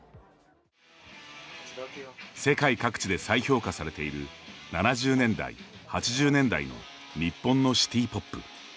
世界各地で再評価されている７０年代８０年代の日本のシティポップ。